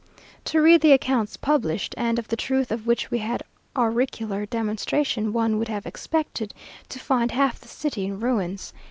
To read the accounts published, and of the truth of which we had auricular demonstration, one would have expected to find half the city in ruins.